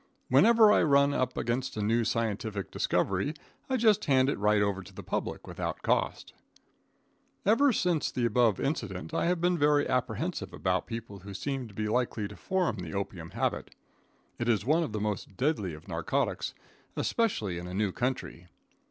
Whenever I run up against a new scientific discovery, I just hand it right over to the public without cost. Ever since the above incident, I have been very apprehensive about people who seem to be likely to form the opium habit. It is one of the most deadly of narcotics, especially in a new country.